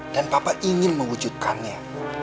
dan papa ingin mewujudkannya